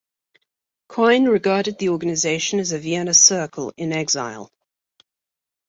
Quine regarded the organisation as a "Vienna Circle in exile".